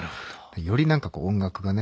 より何か音楽がね